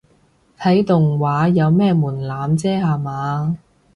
睇動畫冇咩門檻啫吓嘛